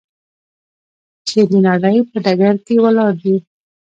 چې د نړۍ په ډګر کې ولاړ دی.